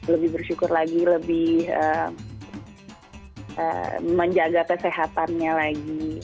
lebih bersyukur lagi lebih menjaga kesehatannya lagi